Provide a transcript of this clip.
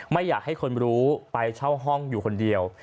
ไม่อยากให้คนรู้ไปเช่าห้องอยู่คนเดียว